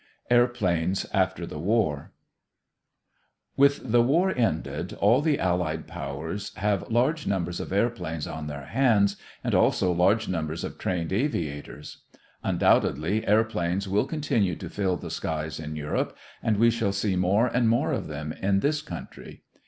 AIRPLANES AFTER THE WAR With the war ended, all the Allied powers have large numbers of airplanes on their hands and also large numbers of trained aviators. Undoubtedly airplanes will continue to fill the skies in Europe and we shall see more and more of them in this country.